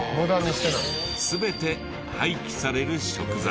全て廃棄される食材。